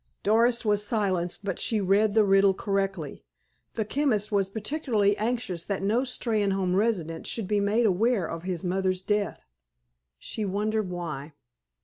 Doris was silenced, but she read the riddle correctly. The chemist was particularly anxious that no Steynholme resident should be made aware of his mother's death. She wondered why.